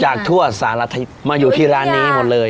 จากทั่วสหรัฐมาอยู่ที่ร้านนี้หมดเลย